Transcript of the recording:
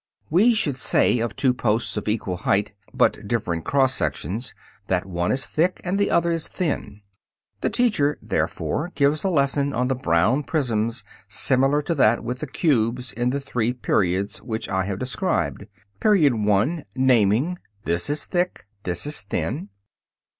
We should say of two posts of equal height, but different cross section, that one is "thick" and the other is "thin." The teacher, therefore, gives a lesson on the brown prisms similar to that with the cubes in the three "periods" which I have described: Period 1. Naming. "This is thick. This is thin."